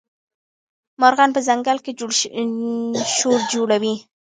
مارغان په ځنګل کي شور جوړوي.